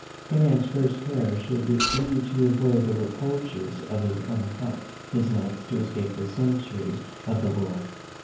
A man's first care should be to avoid the reproaches of his own heart; his next, to escape the censures of the world.